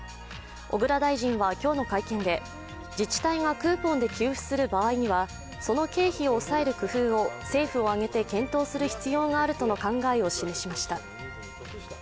小倉大臣は今日の会見で、自治体がクーポンで給付する場合には、その経費を抑える工夫を政府を挙げて検討する必要があるとの考えを示しました。